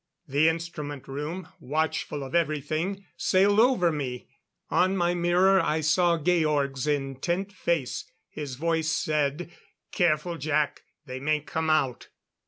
The instrument room, watchful of everything, sailed over me. On my mirror I saw Georg's intent face; his voice said: "Careful, Jac! They may come out."